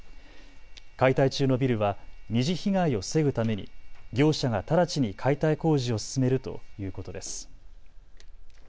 解体中のビルは２次被害を防ぐために業者が直ちに解体工事を進めるということです。